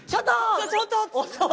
ちょちょっと！